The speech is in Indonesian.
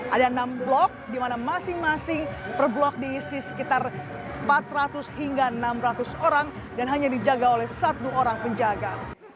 ada enam blok di mana masing masing per blok diisi sekitar empat ratus hingga enam ratus orang dan hanya dijaga oleh satu orang penjaga